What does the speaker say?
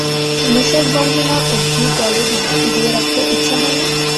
নিশ্বাস বন্ধ না অব্ধি জলে চুবিয়ে রাখতে ইচ্ছা হয় না?